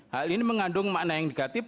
hal ini mengandung makna yang negatif